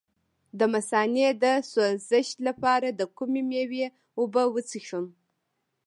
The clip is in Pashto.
د مثانې د سوزش لپاره د کومې میوې اوبه وڅښم؟